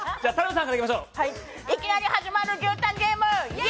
いきなり始まる牛タンゲーム！